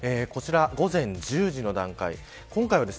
こちら午前１０時の段階。